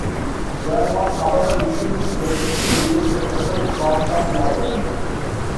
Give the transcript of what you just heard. There was, however, increasing pressure to create a separate corps of lawyers.